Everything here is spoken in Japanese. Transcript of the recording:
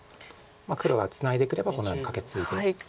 黒がツナいでくればこのようにカケツイで。